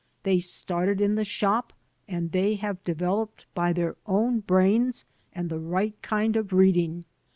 They started in the shop and they have developed by their own brains and the right kind of reading.